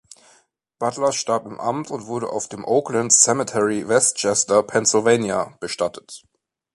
Butler starb im Amt und wurde auf dem Oaklands Cemetery, West Chester, Pennsylvania, bestattet.